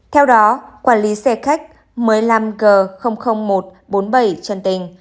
theo đó quản lý xe khách một mươi năm g một trăm bốn mươi bảy trần tình